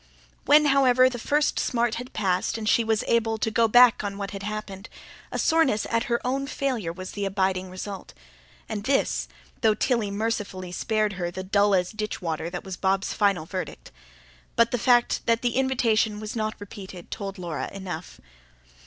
When, however, the first smart had passed and she was able to go back on what had happened, a soreness at her own failure was the abiding result: and this, though Tilly mercifully spared her the "dull as ditchwater", that was Bob's final verdict. But the fact that the invitation was not repeated told Laura enough.